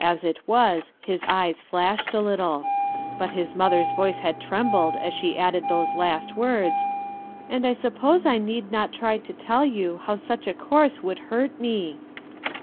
As it was, his eyes flashed a little. But his mother's voice had trembled as .she added those last words, "And I suppose I need not try to tell you how such a course would hurt me.